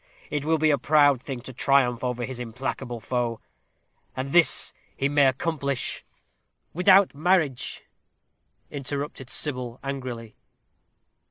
It will be a proud thing to triumph over his implacable foe; and this he may accomplish " "Without marriage," interrupted Sybil, angrily.